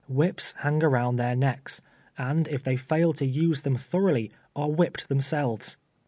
"NVliips hang around their necks, and if they fail to use them thoroughly, are whipped themselves.